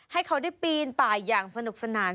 ให้เขาได้ปีนป่าอย่างสนุกสนาน